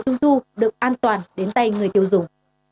đang hot đắt kiện